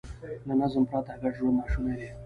له نظم پرته ګډ ژوند ناشونی دی.